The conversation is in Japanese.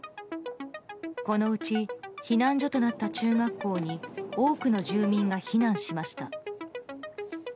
このうち避難所となった中学校に多くの住民が避難しました。